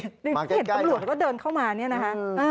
ที่เห็นตำรวจก็เดินเข้ามาเนี่ยนะคะ